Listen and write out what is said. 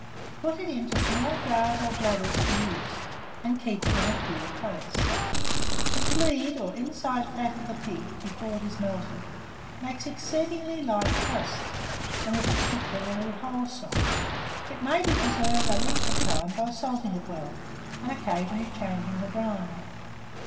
Put it into small jars or bladders for use, and keep it in a cool place. The flead or inside fat of the pig, before it is melted, makes exceedingly light crust, and is particularly wholesome. It may be preserved a length of time by salting it well, and occasionally changing the brine.